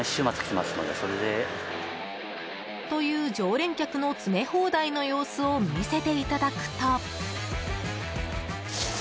という常連客の詰め放題の様子を見せていただくと。